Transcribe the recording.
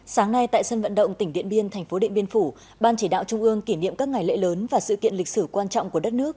sáng nay tại sân vận động tỉnh điện biên thành phố điện biên phủ ban chỉ đạo trung ương kỷ niệm các ngày lễ lớn và sự kiện lịch sử quan trọng của đất nước